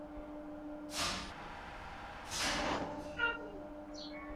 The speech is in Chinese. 伊犁的葛逻禄部即臣服于西辽王朝。